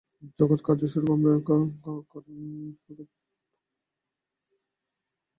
জগৎ কার্য-স্বরূপ, আমরা কারণ-স্বরূপ।